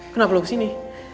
kenapa lo kesini